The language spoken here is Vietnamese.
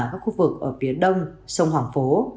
các khu vực ở phía đông sông hoàng phố